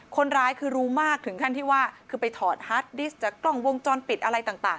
คนร้ายคือรู้มากถึงขั้นที่ว่าคือไปถอดฮาร์ดดิสต์จากกล้องวงจรปิดอะไรต่าง